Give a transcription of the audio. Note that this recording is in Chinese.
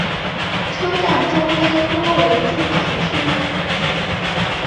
车站周边多为住宅区。